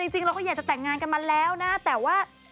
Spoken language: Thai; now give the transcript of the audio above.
จริงเราก็อยากจะแต่งงานกันมาแล้วนะแต่ว่า